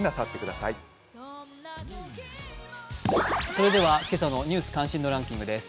それでは今朝の「ニュース関心度ランキング」です。